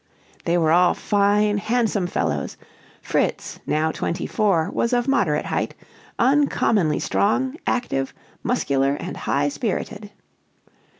They were all fine, handsome fellows; Fritz, now twenty four, was of moderate height, uncommonly strong, active, muscular, and high spirited.